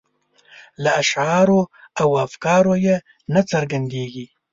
له اشعارو او افکارو یې نه څرګندیږي.